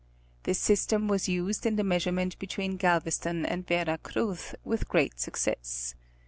This system was used in the meas urement between Galveston and Vera Cruz with great success.